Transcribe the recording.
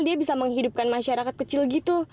dia bisa menghidupkan masyarakat kecil gitu